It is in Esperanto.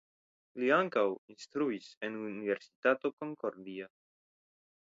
Li ankaŭ instruis en Universitato Concordia.